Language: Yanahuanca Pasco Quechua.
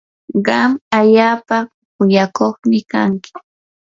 qam allaapa kuyakuqmi kanki.